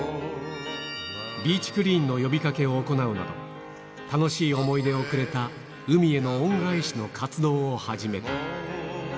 ビーチクリーンの呼びかけを行うなど、楽しい思い出をくれた海への恩返しの活動を始めた。